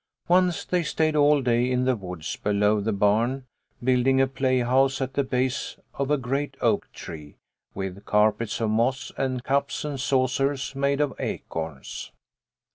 Once they stayed all day in the woods below the barn, building a playhouse at the base of a great oak tree, with carpets of moss, and cups and saucers made of acorns.